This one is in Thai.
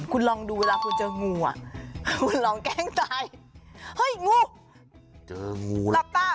คุณลองดูเวลาคุณเจอกงู